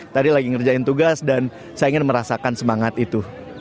tadi lagi ngerjain tugas dan saya ingin merasakan semangat itu